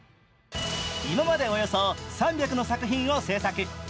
今までおよそ３００の作品を制作。